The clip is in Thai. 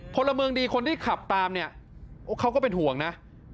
พลเมืองดีคนที่ขับตามเนี่ยเขาก็เป็นห่วงนะ